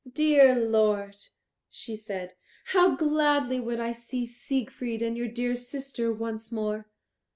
"Dear lord," she said, "how gladly would I see Siegfried and your dear sister once more.